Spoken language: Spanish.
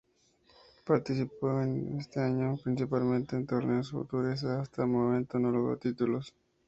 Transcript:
Participó este año principalmente en torneos futures, y hasta el momento no logró títulos.